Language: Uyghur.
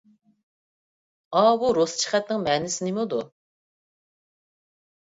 ئاۋۇ رۇسچە خەتنىڭ مەنىسى نېمىدۇ؟